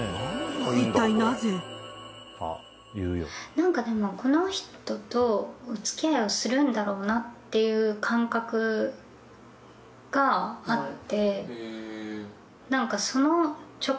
なんかでもこの人とお付き合いをするんだろうなっていう感覚があって。